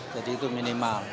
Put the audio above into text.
jadi itu minimal